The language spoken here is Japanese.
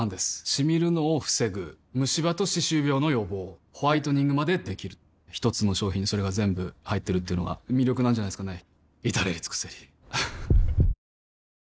シミるのを防ぐムシ歯と歯周病の予防ホワイトニングまで出来る一つの商品にそれが全部入ってるっていうのが魅力なんじゃないですかね